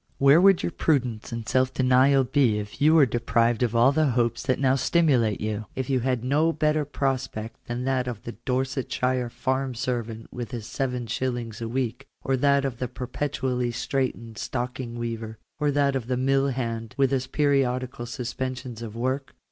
Where would your prudence and self denial be if you were deprived of all the hopes that now stimulate you ; if you had no better prospect than that of the Dorsetshire farm servant with his 7*. a week, or that of the perpetually straitened stocking weaver, or that of the mill hand with his periodical suspensions of work